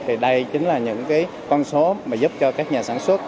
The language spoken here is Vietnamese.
thì đây chính là những cái con số mà giúp cho các nhà sản xuất